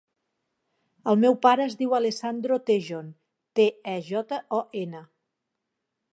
El meu pare es diu Alessandro Tejon: te, e, jota, o, ena.